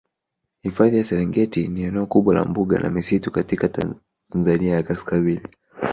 Hifadhi ya Serengeti ni eneo kubwa la mbuga na misitu katika Tanzania ya kaskazini